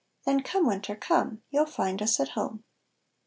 Then come winter, come, You'll find us at home.